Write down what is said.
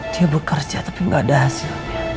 dia bekerja tapi nggak ada hasilnya